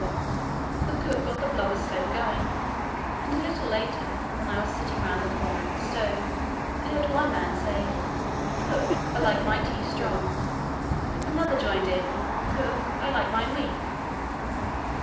The cook got the blubber stove going, and a little later, when I was sitting round the corner of the stove, I heard one man say, "Cook, I like my tea strong." Another joined in, "Cook, I like mine weak."